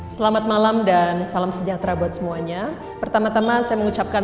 selamat malam dan salam sejahtera buat semuanya pertama tama saya mengucapkan